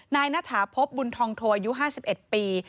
นายนาถาพบุญทองโทยุ๕๑ปี